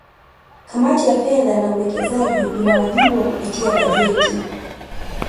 Kamati ya Fedha na Uwekezaji ina wajibu wa kupitia bajeti